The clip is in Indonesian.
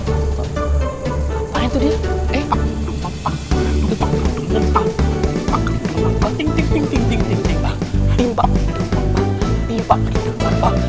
apaan itu dia